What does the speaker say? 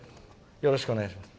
よろしくお願いします。